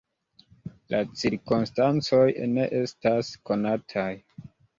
La cirkonstancoj ne estas konataj.